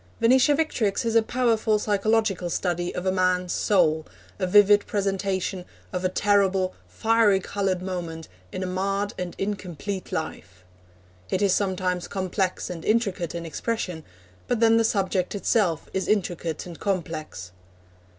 Venetia Victrix is a powerful psychological study of a man's soul, a vivid presentation of a terrible, fiery coloured moment in a marred and incomplete life. It is sometimes complex and intricate in expression, but then the subject itself is intricate and complex.